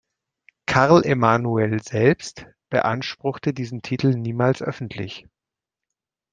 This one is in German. Karl Emanuel selbst beanspruchte diesen Titel niemals öffentlich.